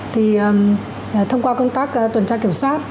thì thông qua công tác tuần tra kiểm soát